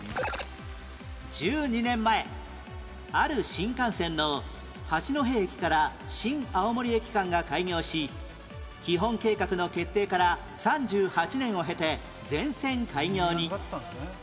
１２年前ある新幹線の八戸駅から新青森駅間が開業し基本計画の決定から３８年を経て全線開業に